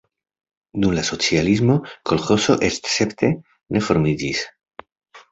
Dum la socialismo kolĥozo escepte ne formiĝis.